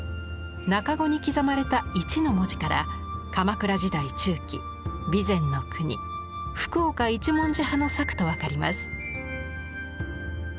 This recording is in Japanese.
茎に刻まれた一の文字から鎌倉時代中期備前国・福岡一文字派の作と分かります。